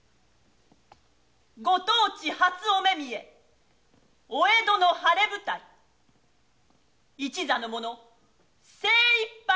ご当地初のおめみえお江戸の晴れ舞台一座の者精いっぱい